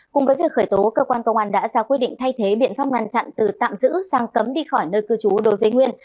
cùng với việc khởi tố cơ quan công an đã ra quyết định thay thế biện pháp ngăn chặn từ tạm giữ sang cấm đi khỏi nơi cư trú đối với nguyên